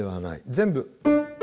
全部。